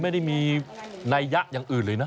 ไม่ได้มีนัยยะอย่างอื่นเลยนะ